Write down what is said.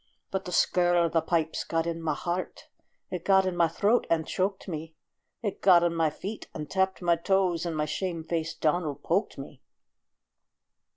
But the skirl o' the pipes got in my heart, It got in my throat and choked me, It got in my feet, and tapped my toes, And my shame faced Donald poked me.